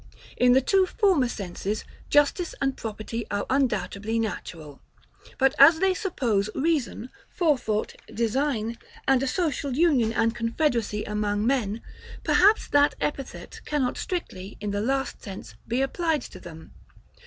In the two former senses, justice and property are undoubtedly natural. But as they suppose reason, forethought, design, and a social union and confederacy among men, perhaps that epithet cannot strictly, in the last sense, be applied to them.